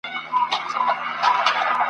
تنورونه له اسمانه را اوریږي !.